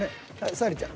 沙莉ちゃん！